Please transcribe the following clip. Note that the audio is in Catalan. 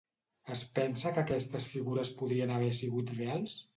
Es pensa que aquestes figures podrien haver sigut reals?